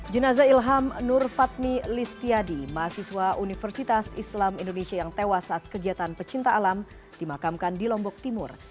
jenazah ilham nur fatmi listiadi mahasiswa universitas islam indonesia yang tewas saat kegiatan pecinta alam dimakamkan di lombok timur